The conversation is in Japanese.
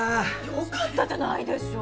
「よかった」じゃないでしょ。